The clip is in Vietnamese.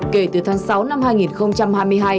kể từ tháng sáu năm hai nghìn hai mươi hai